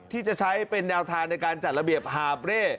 ที่จะใช้เป็นแนวทางในการจัดระเบียบหาบเร่